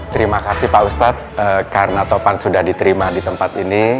terima kasih pak ustadz karena topan sudah diterima di tempat ini